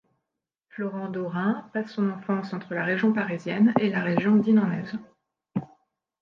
Florent Dorin passe son enfance entre la région parisienne et la région dinannaise.